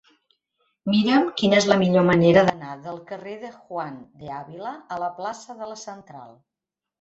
Mira'm quina és la millor manera d'anar del carrer de Juan de Ávila a la plaça de la Central.